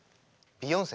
ビヨンセ？